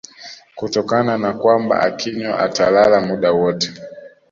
kutokana na kwamba akinywa atalala muda wote